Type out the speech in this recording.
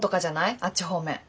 あっち方面。